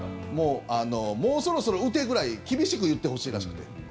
もうそろそろ打てぐらい厳しく言ってほしいらしくて。